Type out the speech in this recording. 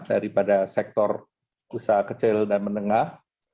daripada sektor usaha kecil dan menengah